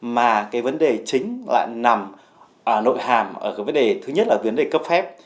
mà cái vấn đề chính lại nằm nội hàm ở cái vấn đề thứ nhất là vấn đề cấp phép